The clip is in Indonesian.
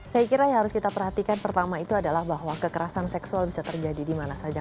saya kira yang harus kita perhatikan pertama itu adalah bahwa kekerasan seksual bisa terjadi di mana saja